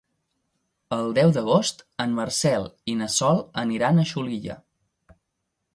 El deu d'agost en Marcel i na Sol aniran a Xulilla.